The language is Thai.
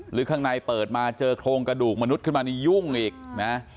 ข้างในเปิดมาเจอโครงกระดูกมนุษย์ขึ้นมานี่ยุ่งอีกนะ